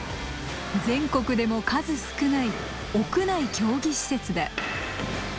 全国でも数少ない屋内競技施設だ。